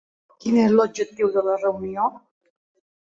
Quin és l'objectiu de la reunió?